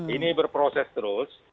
ini berproses terus